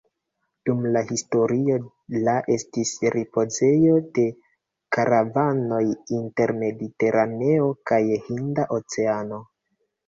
Dum la historio la estis ripozejo de karavanoj inter Mediteraneo kaj Hinda Oceano.